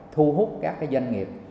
thu hút các doanh nghiệp